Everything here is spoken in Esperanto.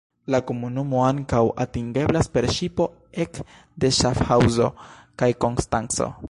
La komunumo ankaŭ atingeblas per ŝipo ek de Ŝafhaŭzo kaj Konstanco.